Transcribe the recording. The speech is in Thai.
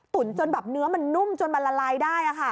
จนแบบเนื้อมันนุ่มจนมันละลายได้